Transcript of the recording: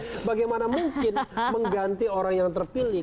tapi itu juga tidak mungkin mengganti orang yang terpilih